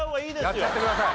やっちゃってください。